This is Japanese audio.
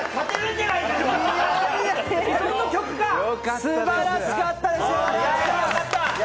すばらしかったです。